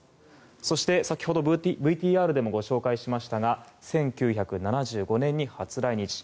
そして、先ほどＶＴＲでもご紹介しましたが１９７５年に初来日。